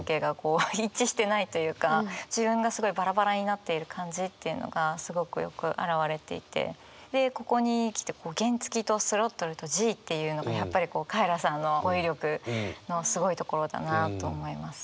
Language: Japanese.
自分がすごいバラバラになっている感じっていうのがすごくよく表れていてでここに来て原付とスロットルとＧっていうのがやっぱりカエラさんの語彙力のすごいところだなと思います。